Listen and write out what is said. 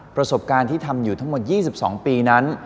ประสบการณ์ที่ทำอยู่ทั้งหมด๒๒ปีนั้น